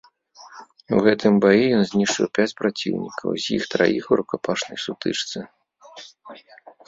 У гэтым баі ён знішчыў пяць праціўнікаў, з іх траіх у рукапашнай сутычцы.